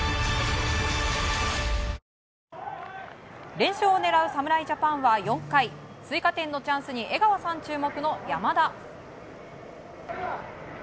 連勝を狙う侍ジャパンは４回追加点のチャンスに江川さん注目の山田。